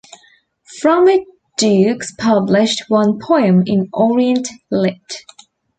From it Dukes published one poem in Orient, Lit.